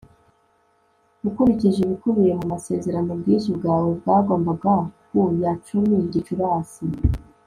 ukurikije ibikubiye mu masezerano, ubwishyu bwawe bwagombaga ku ya cumi gicurasi